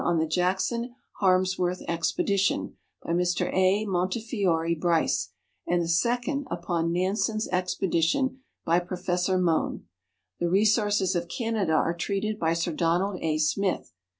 on the Jackson Hannswortii expedition, by Mr A. IMontcnore Brice, and the second upon Nansen's exi)edition, by Professor ISIohn. " The Resources of Canada" are treated by Sir Donald A. Smith.